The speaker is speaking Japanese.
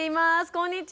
こんにちは。